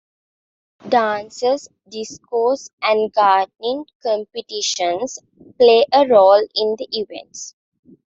Dances, discos and gardening competitions play a role in the events.